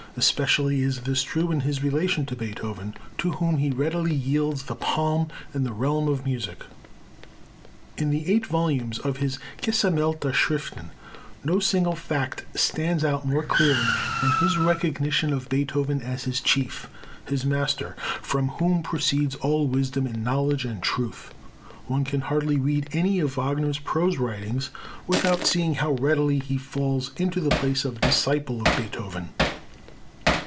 Especially is this true in his relation to Beethoven, to whom he readily yields the palm in the realm of music. In the eight volumes of his Gesammelte Schriften, no single fact stands out more clearly than his recognition of Beethoven as his chief, his master, from whom proceeds all wisdom and knowledge and truth. One can hardly read any of Wagner's prose writings without seeing how readily he falls into the place of disciple of Beethoven.